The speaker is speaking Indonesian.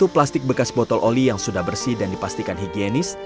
sepuluh plastik bekas botol oli yang sudah bersih dan dipastikan higienis